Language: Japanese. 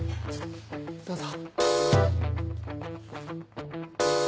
どうぞ。